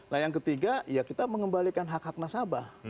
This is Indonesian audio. nah yang ketiga ya kita mengembalikan hak hak nasabah